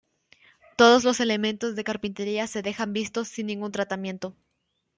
Todos los elementos de carpintería se dejan vistos sin ningún tratamiento.